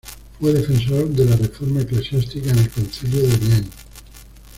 Fue defensor de la reforma eclesiástica en el Concilio de Vienne.